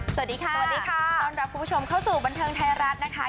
สวัสดีค่ะสวัสดีค่ะต้อนรับคุณผู้ชมเข้าสู่บันเทิงไทยรัฐนะคะ